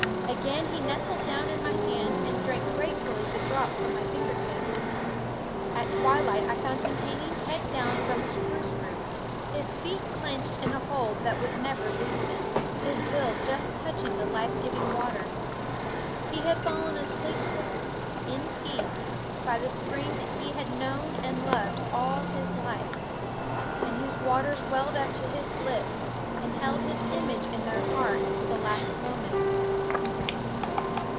Again he nestled down in my hand and drank gratefully the drop from my finger tip. At twilight I found him hanging head down from a spruce root, his feet clinched in a hold that would never loosen, his bill just touching the life giving water. He had fallen asleep there, in peace, by the spring that he had known and loved all his life, and whose waters welled up to his lips and held his image in their heart to the last moment.